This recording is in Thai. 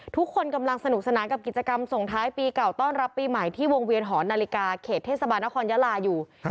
ทุกคนกำลังสนุกสนานกับกิจกรรมส่งท้ายปีเก่าต้อนรับปีใหม่ที่วงเวียนหอนาฬิกาเขตเทศบาลนครยาลาอยู่